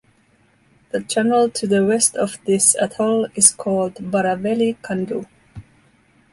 The Channel to the west of this atoll is called Baraveli Kandu.